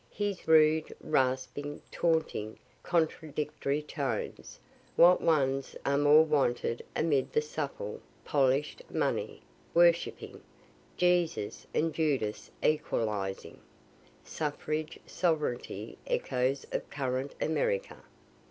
His rude, rasping, taunting, contradictory tones what ones are more wanted amid the supple, polish'd, money worshipping, Jesus and Judas equalizing, suffrage sovereignty echoes of current America?